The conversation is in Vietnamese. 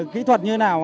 kỹ thuật như thế nào